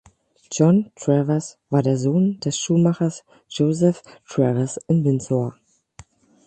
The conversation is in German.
John Travers war der Sohn des Schuhmachers Joseph Travers in Windsor.